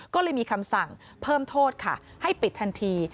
ก็เลยมีคำสั่งเพิ่มโทษค่ะให้ปิดทันที